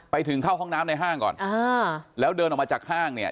ไปถึงเข้าห้องน้ำในห้างก่อนอ่าแล้วเดินออกมาจากห้างเนี่ย